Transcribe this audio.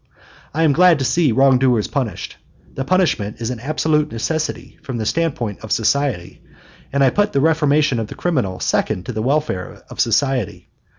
I am glad to see wrong doers punished. The punishment is an absolute necessity from the standpoint of society; and I put the reformation of the criminal second to the welfare of society.